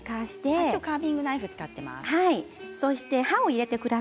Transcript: きょうはカービングナイフを使っています。